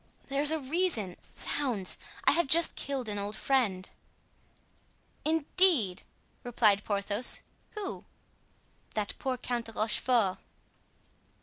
"There's a reason! Zounds! I have just killed an old friend." "Indeed!" replied Porthos, "who?" "That poor Count de Rochefort."